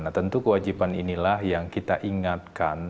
nah tentu kewajiban inilah yang kita ingatkan